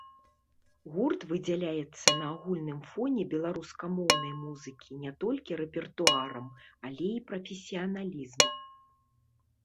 Гурт выдзяляецца на агульным фоне беларускамоўнай музыкі не толькі рэпертуарам, але і прафесіяналізмам.